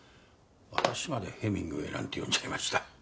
私までヘミングウェイなんて呼んじゃいました。